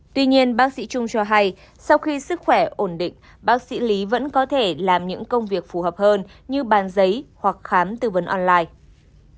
tuy nhiên bác sĩ trung cho hay sau khi sức khỏe ổn định bác sĩ lý vẫn có thể làm những công việc phù hợp hơn như bàn giấy hoặc khám tư vấn online